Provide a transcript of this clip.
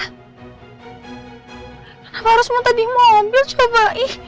kenapa harus minta di mobil coba